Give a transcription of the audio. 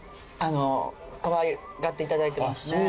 かわいがっていただいてますね。